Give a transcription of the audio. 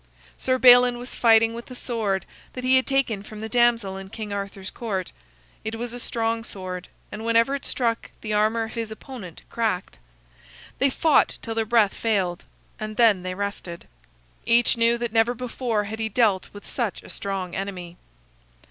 Sir Balin was fighting with the sword that he had taken from the damsel in King Arthur's Court. It was a strong sword, and whenever it struck, the armor of his opponent cracked. They fought till their breath failed, and then they rested. Each knew that never before had he dealt with such a strong enemy.